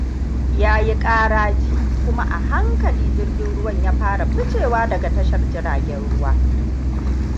Yayi karaji, kuma a hankali jirgin ruwan ya fara ficewa daga tashar jiragen ruwa.